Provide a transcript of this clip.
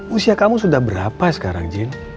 usia kamu sudah berapa sekarang jean